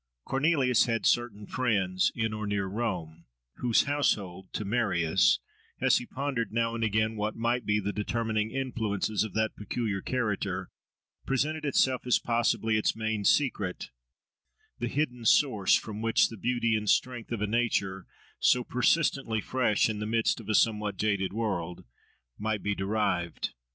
Cornelius had certain friends in or near Rome, whose household, to Marius, as he pondered now and again what might be the determining influences of that peculiar character, presented itself as possibly its main secret—the hidden source from which the beauty and strength of a nature, so persistently fresh in the midst of a somewhat jaded world, might be derived.